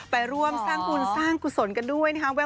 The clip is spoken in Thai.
ไปร่วมสร้างบุญสร้างกุศลกันด้วยนะครับ